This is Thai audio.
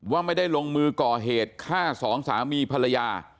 ว่าไม่ได้ลงมือก่อเหตุฆ่าสองสามีภรรยา